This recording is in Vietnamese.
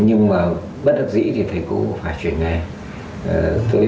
nhưng mà bất đắc dĩ thì thầy cô cũng phải chuyển nghề